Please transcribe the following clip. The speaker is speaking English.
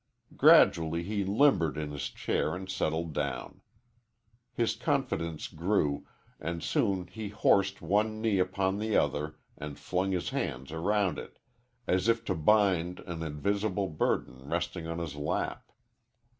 Gradually he limbered in his chair and settled down. His confidence grew, and soon he "horsed" one knee upon the other and flung his hands around it as if to bind an invisible burden resting on his lap.